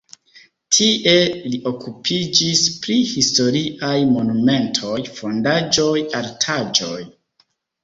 Tie li okupiĝis pri historiaj monumentoj, fondaĵoj, artaĵoj.